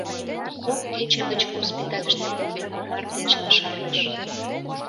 Кок кече гыч госпитальыште увер мардежла шарлыш.